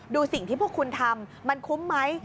ดูสิ่งที่พวกคุณทำมันคุ้มไหม